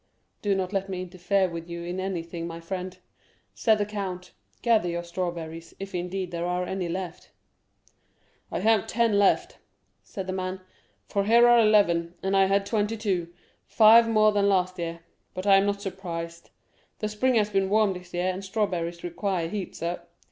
"Do not let me interfere with you in anything, my friend," said the count; "gather your strawberries, if, indeed, there are any left." "I have ten left," said the man, "for here are eleven, and I had twenty one, five more than last year. But I am not surprised; the spring has been warm this year, and strawberries require heat, sir.